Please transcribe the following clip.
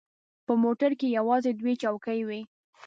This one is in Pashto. په موټر کې یوازې دوې چوکۍ وې.